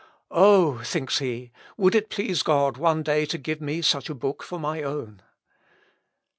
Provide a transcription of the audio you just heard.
"Oh!" thinks he, "would it please God one day to give me such a book for my own!"